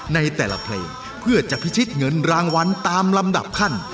ในแต่ละเพลงเพื่อจะพิชิตเงินรางวัลตามลำดับขั้น